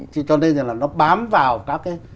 cho nên là nó bám vào các cái